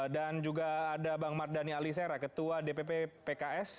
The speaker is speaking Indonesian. dan juga ada bang mardhani alisera ketua dpp pks